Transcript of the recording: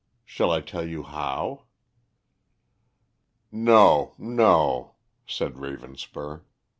Shall I tell you how?" "No, no," said Ravenspur.